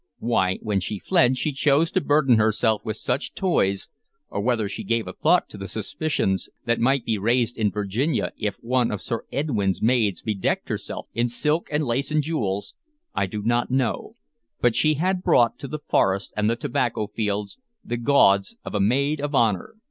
Why, when she fled, she chose to burden herself with such toys, or whether she gave a thought to the suspicions that might be raised in Virginia if one of Sir Edwyn's maids bedecked herself in silk and lace and jewels, I do not know, but she had brought to the forest and the tobacco fields the gauds of a maid of honor.